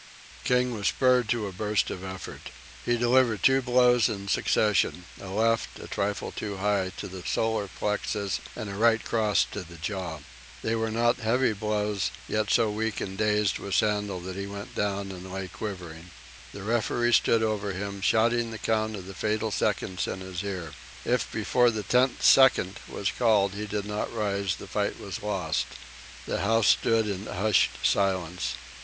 King was spurred to a burst of effort. He delivered two blows in succession a left, a trifle too high, to the solar plexus, and a right cross to the jaw. They were not heavy blows, yet so weak and dazed was Sandel that he went down and lay quivering. The referee stood over him, shouting the count of the fatal seconds in his ear. If before the tenth second was called, he did not rise, the fight was lost. The house stood in hushed silence.